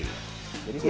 jadi jus seledri itu kan